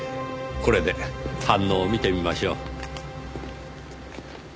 これで反応を見てみましょう。